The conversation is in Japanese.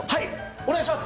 お願いします。